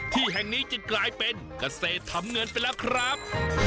ที่แห่งนี้จึงกลายเป็นเกษตรทำเงินไปแล้วครับ